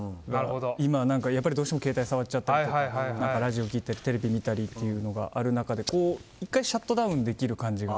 今どうしても携帯触っちゃったりとかラジオを聴いたりテレビ見たいというのがある中で１回、シャットダウンできる感じが。